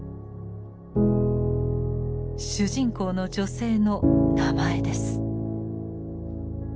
主人公の女性の名前です。